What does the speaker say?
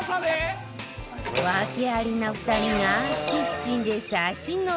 訳ありな２人がキッチンでサシ飲み